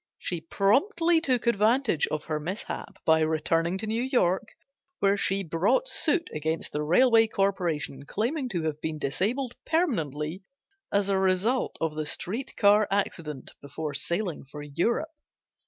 She promptly took advantage of her mishap by returning to New York, where she brought suit against the railway corporation, claiming to have been disabled permanently as a result of the street car accident before sailing for Europe.